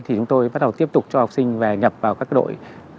thì chúng tôi bắt đầu tiếp tục cho học sinh vào các đội